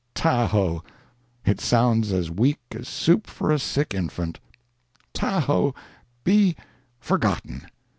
"Tahoe"—it sounds as weak as soup for a sick infant. "Tahoe" be—forgotten!